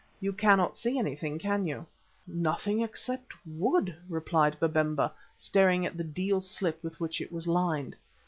"You cannot see anything, can you?" "Nothing except wood," replied Babemba, staring at the deal slip with which it was lined.